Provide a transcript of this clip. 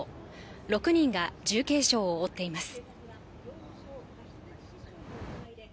６人が重軽傷を負っています。